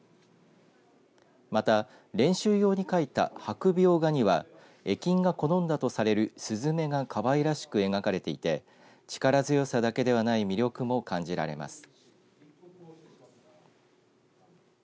また練習用に描いた白描画では絵金が好んだとされるスズメが可愛らしく描かれていて力強さだけでない魅力も感じられます。